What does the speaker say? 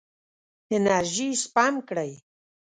انرژي سپم کړئ.